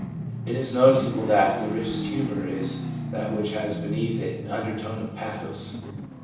It is noticeable that the richest humour is that which has beneath it an undertone of pathos.